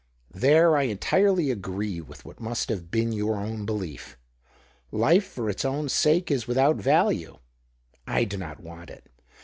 There I entirely agree with what must have been your own belief. Life for its own sake is without value. I do not want it.